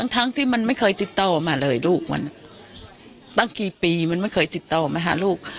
ทั้งที่มันไม่เคยติดต่อมาเลยลูกมันตั้งกี่ปีมันไม่เคยติดต่อมาหาลูก